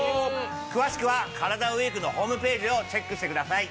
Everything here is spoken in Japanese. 詳しくは「カラダＷＥＥＫ」のホームページをチェックしてください。